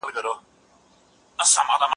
الله تعالی دي پر موسی عليه السلام ورحميږي.